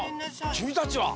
きみたちは？